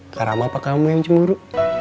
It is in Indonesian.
karam apa kamu yang cemburu